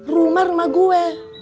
rumah rumah gue